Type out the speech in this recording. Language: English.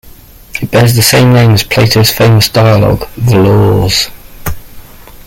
It bears the same name as Plato's famous dialogue, "The Laws".